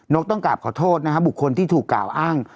กต้องกราบขอโทษนะครับบุคคลที่ถูกกล่าวอ้าง